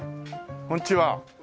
こんにちは。